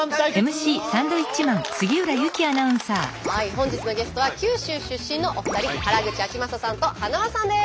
本日のゲストは九州出身のお二人原口あきまささんとはなわさんです。